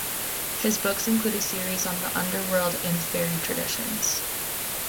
His books include a series on the underworld and faery traditions.